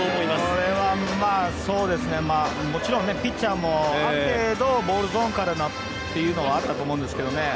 これはもちろんピッチャーもある程度ボールゾーンかなというのはあったと思いますけどね。